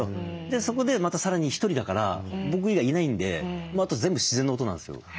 そこでまたさらにひとりだから僕以外いないんであと全部自然の音なんですよ。